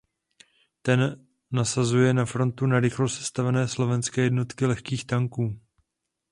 Ten nasazuje na frontu narychlo sestavené slovenské jednotky lehkých tanků.